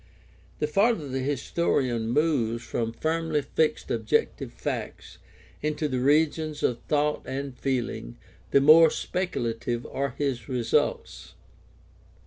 The farther the historian moves from firmly fixed objective facts into the regions of thought and feeling the more speculative are his results.